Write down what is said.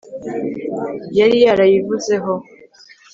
yari yarayivuzeho